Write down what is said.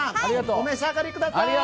お召し上がりください！